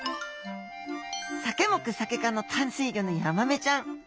サケ目サケ科の淡水魚のヤマメちゃん。